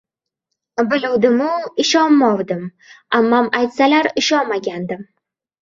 Biluvdimu ishonmovdim. Ammam aytsalar, ishonmagandim!